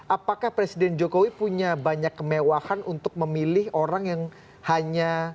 apakah presiden jokowi punya banyak kemewahan untuk memilih orang yang hanya